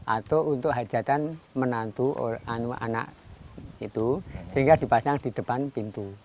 atau untuk hajatan menantu anak itu sehingga dipasang di depan pintu